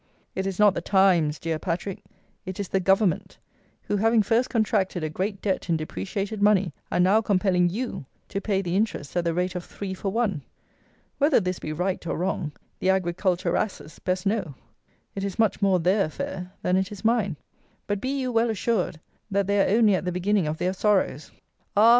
It is not the times, dear Patrick: it is the government, who, having first contracted a great debt in depreciated money, are now compelling you to pay the interest at the rate of three for one. Whether this be right, or wrong, the Agriculturasses best know: it is much more their affair than it is mine; but, be you well assured, that they are only at the beginning of their sorrows. Ah!